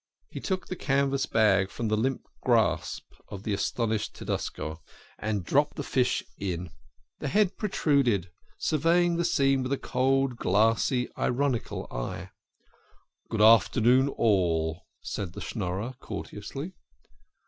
He took the canvas bag from the limp grasp of the astonished Tedesco, and dropped the fish in. The head protruded, surveying the scene with a cold, glassy, ironical eye. 'THE HEAD PROTRUDED.' 17 18 THE KING OF SCHNORRERS. " Good afternoon all," said the Schnorrer courteously.